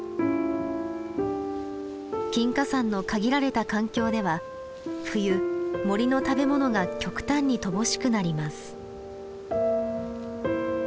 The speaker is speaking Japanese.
金華山の限られた環境では冬森の食べ物が極端に乏しくなります。